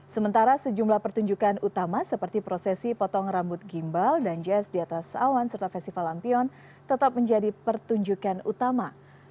sementara sejumlah pertunjukan utama seperti prosesi potong rambut gimbal dan jazz di atas awan serta festival lampion tetap menjadi pertunjukan utama